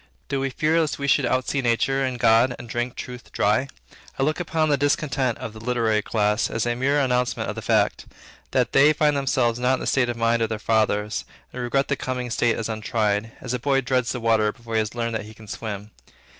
Do we fear lest we should outsee nature and God, and drink truth dry? I look upon the discontent of the literary class, as a mere announcement of the fact, that they find themselves not in the state of mind of their fathers, and regret the coming state as untried; as a boy dreads the water before he has learned that he can swim.